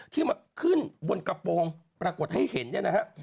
ที่มาขึ้นบนกระโปรงปรากฏให้เห็นเนี่ยนะฮะ